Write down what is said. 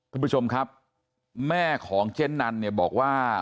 คุณผู้ชมครับแม่ของเจ๊นันเนี่ยบอกว่า